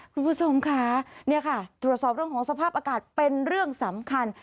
คุณผู้ชมค่ะเนี่ยค่ะตรวจสอบเรื่องของสภาพอากาศเป็นเรื่องสำคัญ